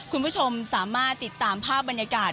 คุณผู้ชมสามารถติดตามภาพบรรยากาศ